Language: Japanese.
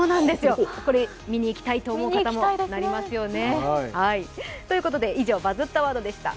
これ、見に行きたいという方もいますよね。